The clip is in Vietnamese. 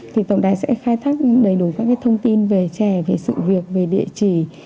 thì tổng đài sẽ khai thác đầy đủ các thông tin về trẻ về sự việc về địa chỉ